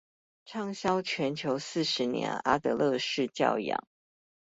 暢銷全球四十年阿德勒式教養